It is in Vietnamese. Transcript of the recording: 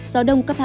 gió đông cấp hai ba